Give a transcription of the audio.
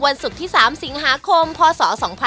ศุกร์ที่๓สิงหาคมพศ๒๕๖๒